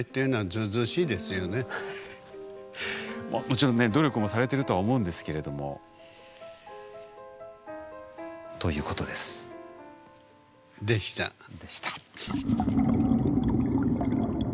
もちろんね努力もされてるとは思うんですけれども。ということです。でした。でした。